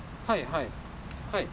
はいはい。